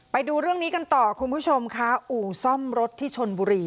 ไปดูเรื่องนี้กันต่อคุณผู้ชมค่ะอู่ซ่อมรถที่ชนบุรี